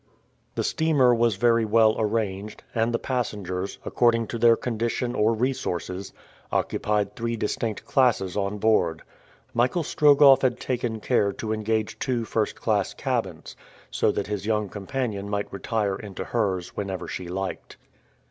The steamer was very well arranged, and the passengers, according to their condition or resources, occupied three distinct classes on board. Michael Strogoff had taken care to engage two first class cabins, so that his young companion might retire into hers whenever she liked.